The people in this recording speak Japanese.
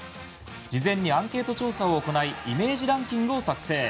事前にアンケート調査を行いイメージランキングを作成。